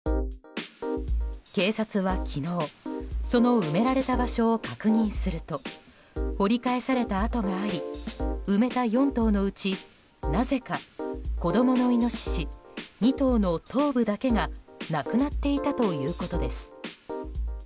警察は昨日その埋められた場所を確認すると掘り返された跡があり埋めた４頭のうちなぜか子供のイノシシ２頭の頭部だけがなくなっていたということです。